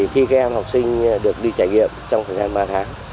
khi các em học sinh được đi trải nghiệm trong thời gian ba tháng